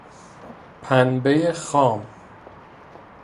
پنبه خام